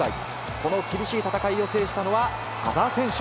この厳しい戦いを制したのは多田選手。